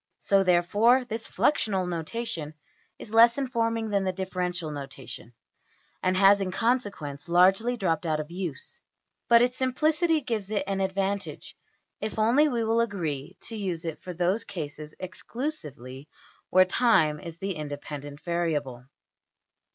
So, therefore, this fluxional notation is less informing than the differential notation, and has in consequence largely dropped out of use. But its simplicity gives it an advantage if only we will agree to use it for those cases exclusively where \emph{time} is the independent variable.